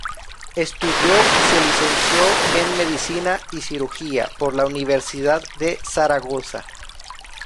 Estudió y se licenció en Medicina y Cirugía por la Universidad de Zaragoza.